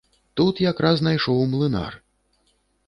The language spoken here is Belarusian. Тут якраз найшоў млынар.